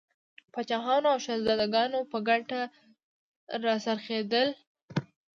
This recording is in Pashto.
پاچاهانو او شهزادګانو په ګټه را څرخېدل.